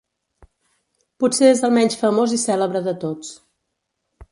Potser és el menys famós i cèlebre de tots.